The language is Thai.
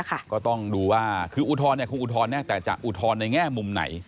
ก็ต้องดูว่าคุณอุทธรณ์แน่แต่จะอุทธรณ์ในแง่มุมไหน